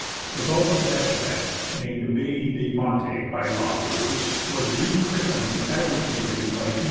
The Gulf of Yakutat, named " Baie de Monti " by La Perouse, was re christened " Admiralty Bay " by G.